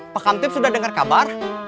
pak kantip sudah dengar kabar